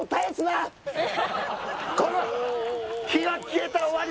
この火が消えたら終わりぞ！